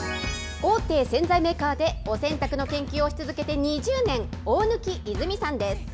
大手洗剤メーカーで、お洗濯の研究をし続けて２０年、大貫和泉さんです。